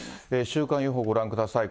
週間予報、ご覧ください。